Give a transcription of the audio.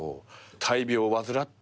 大病を患って。